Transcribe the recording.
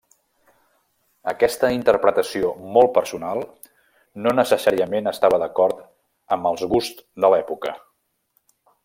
Aquesta interpretació molt personal no necessàriament estava d'acord en els gusts de l'època.